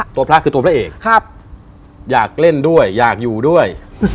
พระคือตัวพระเอกครับอยากเล่นด้วยอยากอยู่ด้วย